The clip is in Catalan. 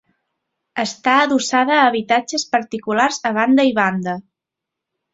Està adossada a habitatges particulars a banda i banda.